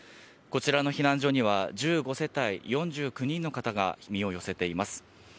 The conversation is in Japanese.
こちらの避難所には１５世帯４９人の方が身を寄せています。